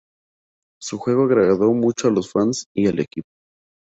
Su juego agrado mucho a los fans y al equipo.